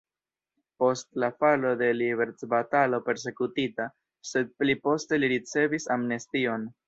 Post la falo de liberecbatalo persekutita, sed pli poste li ricevis amnestion.